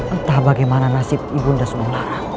entah bagaimana nasib ibunda sementara